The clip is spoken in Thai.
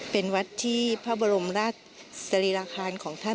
เป็นวัดที่พระบรมราชสรีราคารของท่าน